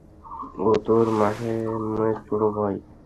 ও তোর মায়ের ছোট ভাই।